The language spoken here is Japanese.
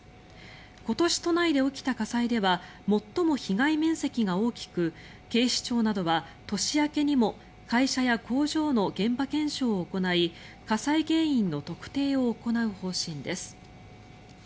今年、都内で起きた火災では最も被害面積が大きく警視庁などは年明けにも会社や工場の現場検証を行い火災原因の特定を行う方針です。